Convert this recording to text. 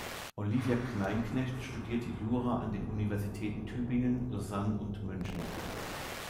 Olivia Kleinknecht studierte Jura an den Universitäten Tübingen, Lausanne und München.